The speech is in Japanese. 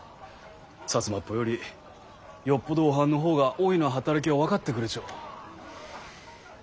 摩っぽよりよっぽどおはんの方がおいの働きを分かってくれちょ。